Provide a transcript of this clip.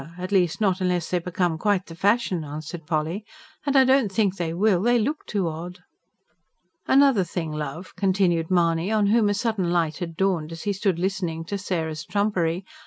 at least, not unless they become quite the fashion," answered Polly. "And I don't think they will. They look too odd." "Another thing, love," continued Mahony, on whom a sudden light had dawned as he stood listening to Sarah's trumpery.